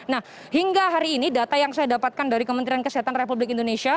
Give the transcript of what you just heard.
nah hingga hari ini data yang saya dapatkan dari kementerian kesehatan republik indonesia